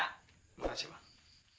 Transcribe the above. terima kasih mak